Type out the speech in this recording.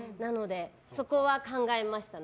そこは考えましたね。